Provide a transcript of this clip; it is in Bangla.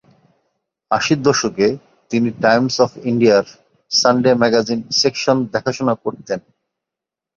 আশির দশকে তিনি টাইমস অফ ইন্ডিয়ার সানডে ম্যাগাজিন সেকশন দেখাশোনা করতেন।